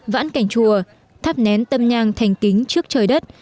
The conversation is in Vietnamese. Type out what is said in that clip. vãn cảnh chùa thắp nén tâm nhang thành kính trước trời đất